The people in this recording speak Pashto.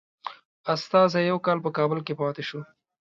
استازی یو کال په کابل کې پاته شو.